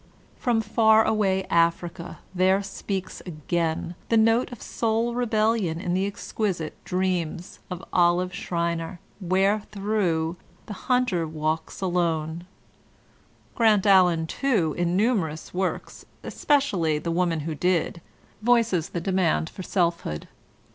From far away Africa, there speaks again the note of soul rebellion in the exquisite "Dreams" of Olive Schreiner, wherethrough The Hunter walks alone" Grant Allen, too, in numerous works, especially "The Woman Who Did," voices the demand for self hood.